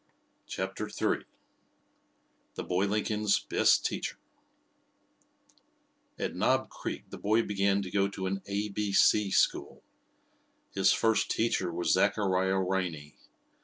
CHAPTER III THE BOY LINCOLN'S BEST TEACHER At Knob Creek the boy began to go to an "A B C" school. His first teacher was Zachariah Riney.